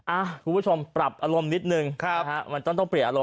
อ่าคุณผู้ชมปรับอารมณ์นิดหนึ่งครับมันต้องเปลี่ยนอารมณ์แล้ว